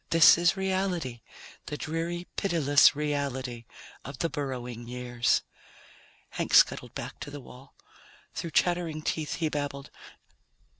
This is reality, the dreary, pitiless reality of the Burrowing Years." Hank scuttled back to the wall. Through chattering teeth he babbled